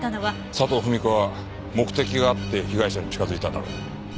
佐藤ふみ子は目的があって被害者に近づいたんだろう。